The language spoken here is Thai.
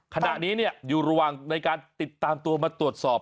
ขณะนี้อยู่ระหว่างในการติดตามตัวมาตรวจสอบ